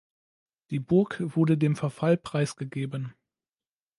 Die Burg wurde dem Verfall preisgegeben.